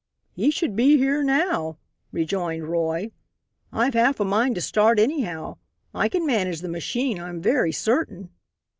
"He should be here now," rejoined Roy. "I've half a mind to start anyhow. I can manage the machine I am very certain."